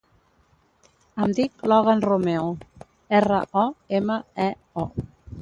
Em dic Logan Romeo: erra, o, ema, e, o.